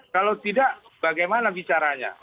kalau tidak bagaimana bicaranya